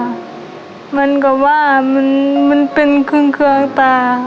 เหมือนกับว่ามันเป็นเครื่องตา